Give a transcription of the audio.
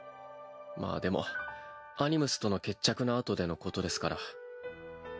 まあでもアニムスとの決着のあとでのことですから。